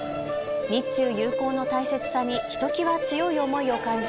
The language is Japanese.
日中友好の大切さにひときわ強い思いを感じ